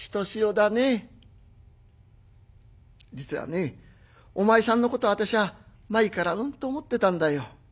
実はねお前さんのこと私は前からうんと思ってたんだよ。